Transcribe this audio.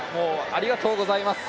ありがとうございます。